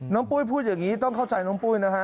ปุ้ยพูดอย่างนี้ต้องเข้าใจน้องปุ้ยนะฮะ